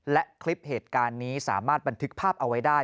และคลิปเหตุการณ์นี้สามารถบันทึกภาพเอาไว้ได้